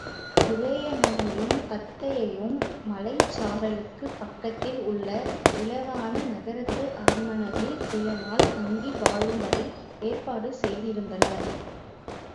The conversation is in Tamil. உதயணனையும் தத்தையையும் மலைச்சாரலுக்குப் பக்கத்தில் உள்ள இலாவாண நகரத்து அரண்மனையில் சில நாள் தங்கி வாழும்படி ஏற்பாடு செய்திருந்தனர்.